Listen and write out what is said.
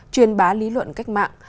truyền bá lý luận cách mạng